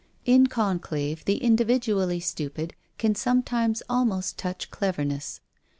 In conclave the individually stupid can some times almost touch cleverness.